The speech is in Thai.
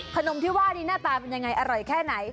ขนมที่ว่านี้หน้าตาเป็นยังไงอร่อยแค่ไหน